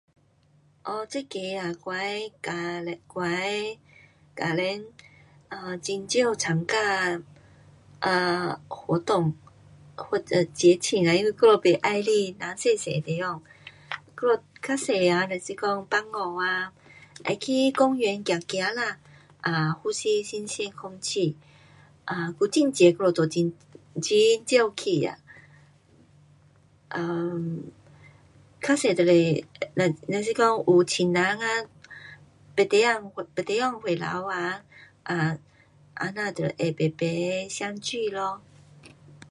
[oh]这个我们家我们家庭很少参[活动..]，我们不喜欢小小地方我们多数假期，会去花园走走[呼吸新鲜空气] [unintelligible] 很少去，多数如果有亲戚 [unintelligible] 回头 [unintelligible] [相聚]